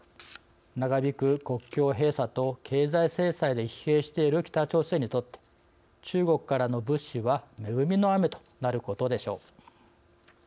長引く国境閉鎖と経済制裁で疲弊している北朝鮮にとって中国からの物資は恵みの雨となることでしょう。